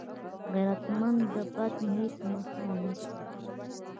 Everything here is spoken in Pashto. غیرتمند د بد نیت مخه نیسي